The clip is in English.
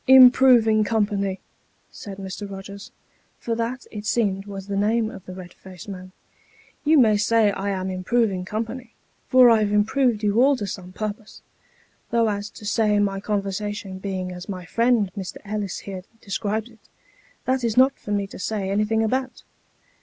" Improving company !" said Mr. Eogers, for that, it seemed, was the name of the red faced man. " You may say I am improving company, for I've improved you all to some purpose ; though as to my conversation being as my friend Mr. Ellis here describes it, that is not for me to say anything about.